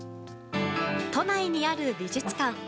都内にある美術館。